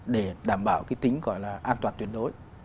để đảm bảo cái tính gọi là an toàn tuyệt đối